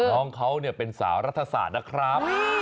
น้องเขาเป็นสาวรัฐศาสตร์นะครับ